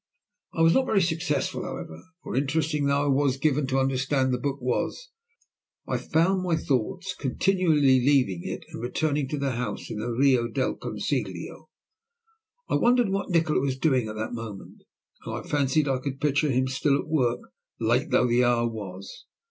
I was not very successful, however, for interesting though I was given to understand the book was, I found my thoughts continually leaving it and returning to the house in the Rio del Consiglio. I wondered what Nikola was doing at that moment, and fancied I could picture him still at work, late though the hour was.